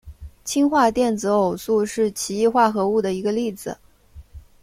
氢化电子偶素是奇异化合物的一个例子。